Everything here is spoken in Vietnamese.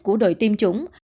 của đội tiêm chủng